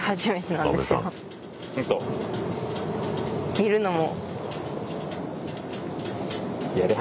見るのも。